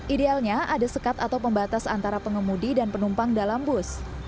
idealnya ada sekat atau pembatas antara pengemudi dan penumpang dalam bus